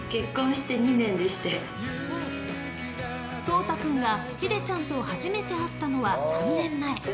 蒼太君がひでちゃんと初めて会ったのは３年前。